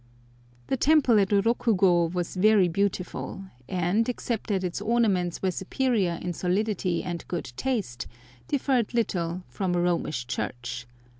The temple at Rokugo was very beautiful, and, except that its ornaments were superior in solidity and good taste, differed little from a Romish church.